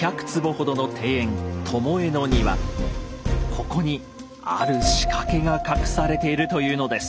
ここに「ある仕掛け」が隠されているというのです。